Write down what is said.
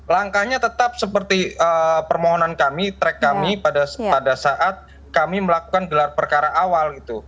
langkahnya tetap seperti permohonan kami track kami pada saat kami melakukan gelar perkara awal gitu